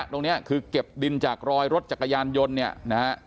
ตรงนี้คือเก็บดินจากรอยรถจักรยานยนต์เนี่ยนะฮะ